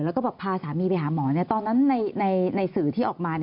แล้วก็แบบพาสามีไปหาหมอตอนนั้นในสื่อที่ออกมา